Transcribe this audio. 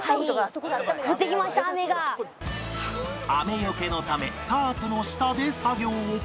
雨よけのためタープの下で作業を